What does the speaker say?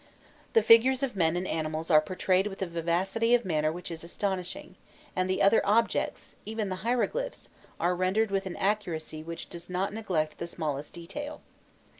The figures of men and animals are portrayed with a vivacity of manner which is astonishing; and the other objects, even the hieroglyphs, are rendered with an accuracy which does not neglect the smallest detail.